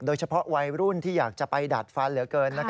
โดยเฉพาะวัยรุ่นที่อยากจะไปดัดฟันเหลือเกิน